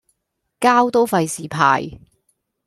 膠都費事派